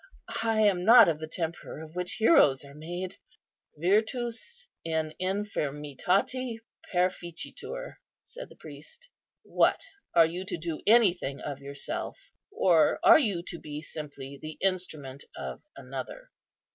I am not of the temper of which heroes are made." " 'Virtus in infirmitate perficitur,' " said the priest. "What! are you to do any thing of yourself? or are you to be simply the instrument of Another?